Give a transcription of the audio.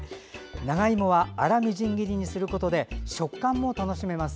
長芋は粗みじん切りにすることで食感も楽しめます。